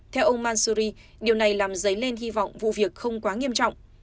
theo ông mansuri điều này làm dấy lên hy vọng vụ việc không quá nghiêm trọng